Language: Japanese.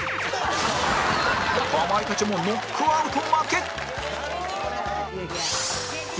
かまいたちもノックアウト負け！